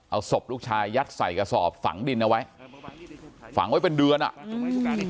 เอาศพลูกชายยัดใส่กระสอบฝังดินเอาไว้ฝังไว้เป็นเดือนอ่ะ